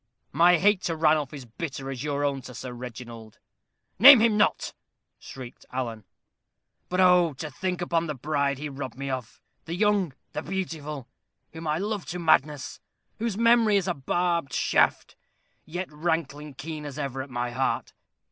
"My hate to Ranulph is bitter as your own to Sir Reginald." "Name him not," shrieked Alan. "But, oh! to think upon the bride he robbed me of the young the beautiful! whom I loved to madness; whose memory is a barbed shaft, yet rankling keen as ever at my heart.